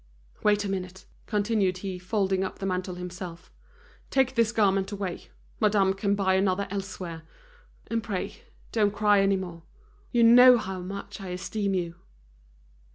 "Wait a minute," continued he, folding up the mantle himself, "take this garment away. Madame can buy another elsewhere. And pray don't cry any more. You know how much I esteem you."